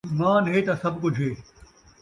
ایمان ہے تاں سبھ کجھ ہے